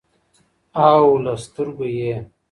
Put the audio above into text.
او له سترګو یې